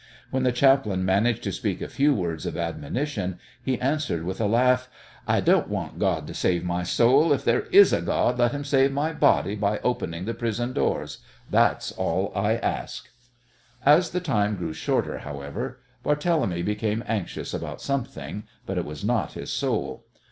When the chaplain managed to speak a few words of admonition he answered with a laugh: "I don't want God to save my soul. If there is a God let him save my body by opening the prison doors. That's all I ask." As the time grew shorter, however, Barthélemy became anxious about something, but it was not his soul.